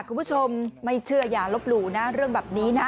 คุณผู้ชมไม่เชื่ออย่าลบหลู่นะ